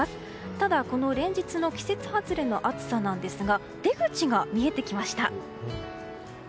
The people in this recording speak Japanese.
ただ、この連日の季節外れの暑さなんですが出口が見えてきました。